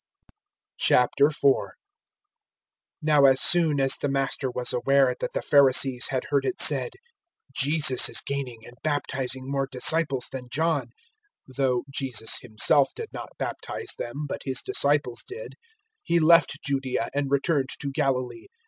004:001 Now as soon as the Master was aware that the Pharisees had heard it said, "Jesus is gaining and baptizing more disciples than John" 004:002 though Jesus Himself did not baptize them, but His disciples did 004:003 He left Judaea and returned to Galilee.